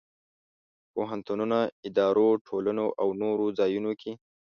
پوهنتونونو، ادارو، ټولنو او نور ځایونو کې.